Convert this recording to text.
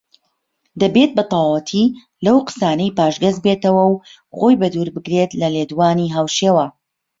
دەبێت بەتەواوەتی لەو قسانەی پاشگەزبێتەوە و خۆی بە دوور بگرێت لە لێدوانی هاوشێوە